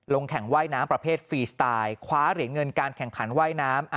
แข่งว่ายน้ำประเภทฟรีสไตล์คว้าเหรียญเงินการแข่งขันว่ายน้ำ